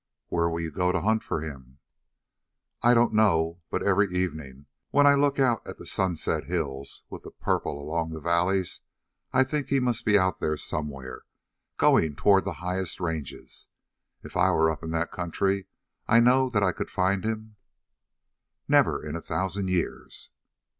"Where will you go to hunt for him?" "I don't know. But every evening, when I look out at the sunset hills, with the purple along the valleys, I think that he must be out there somewhere, going toward the highest ranges. If I were up in that country I know that I could find him." "Never in a thousand years."